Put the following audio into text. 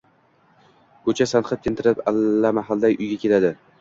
ko‘cha sanqib, tentirab, allamahalda uyga keladi